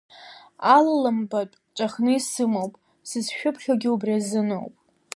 Алаламбатә ҵәахны исымоуп, сызшәыԥхьогьы убри азыноуп!